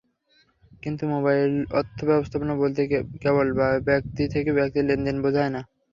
কিন্তু মোবাইল অর্থ–ব্যবস্থাপনা বলতে কেবল ব্যক্তি থেকে ব্যক্তির লেনদেন বোঝায় না।